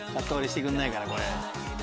してくんないからこれ。